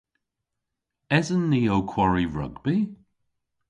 Esen ni ow kwari rugbi?